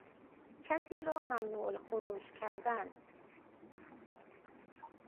کسی را ممنوع الخروج کردن